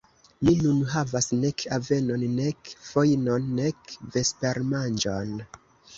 Mi nun havas nek avenon, nek fojnon, nek vespermanĝon.